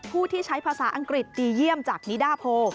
ผู้ที่ใช้ภาษาอังกฤษดีเยี่ยมจากนิดาโพ